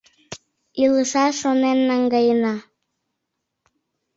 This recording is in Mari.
Илышаш шонен наҥгаена.